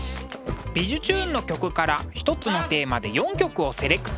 「びじゅチューン！」の曲から一つのテーマで４曲をセレクト。